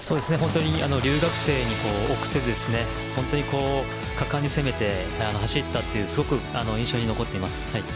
留学生に臆せず果敢に攻めて走ったというすごく印象に残っています。